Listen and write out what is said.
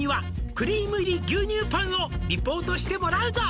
「クリーム入り牛乳パンをリポートしてもらうぞ！」